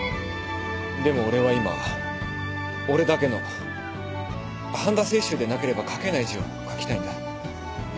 でも俺は今俺だけの半田清舟でなければ書けない字を書きたいんだ。